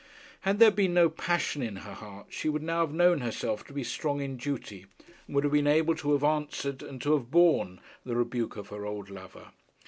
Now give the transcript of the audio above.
Had there been no passion in her heart, she would now have known herself to be strong in duty, and would have been able to have answered and to have borne the rebuke of her old lover.